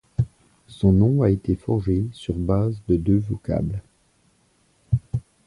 Son nom a été forgé sur base de deux vocables.